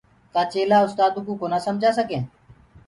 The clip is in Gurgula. ڪآ چيلآ اُستآدو ڪو ڪونآ سمجآ سگي